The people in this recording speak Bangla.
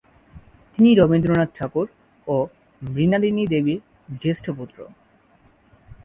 তিনি রবীন্দ্রনাথ ঠাকুর ও মৃণালিনী দেবীর জ্যেষ্ঠ পুত্র।